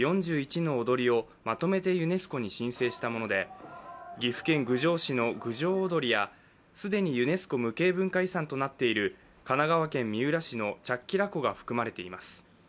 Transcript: ４１の踊りをまとめてユネスコに申請したもので、岐阜県郡上市の郡上踊や既にユネスコ無形文化遺産となっている神奈川県三浦市のチャッキラコが含まれています。